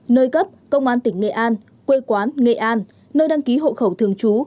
nơi cấp công an tỉnh nghệ an quê quán nghệ an nơi đăng ký hộ khẩu thường trú